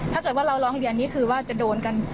ถ้าเกิดว่าเราร้องเรียนนี้คือว่าจะโดนกัน